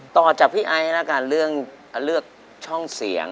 ต่อจากพี่ไอล์นะกันเรื่องเลือกช่องเสียง